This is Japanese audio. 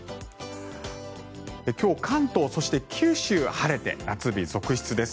今日、関東、そして九州は晴れて夏日続出です。